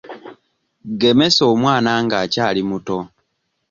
Gemesa omwana ng'akyali muto.